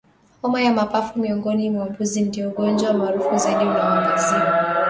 Homa ya mapafu miongoni mwa mbuzi ndio ugonjwa maarufu zaidi unaoangaziwa